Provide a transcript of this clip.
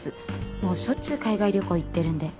もうしょっちゅう海外旅行行ってるんで。